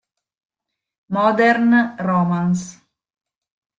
Modern Romance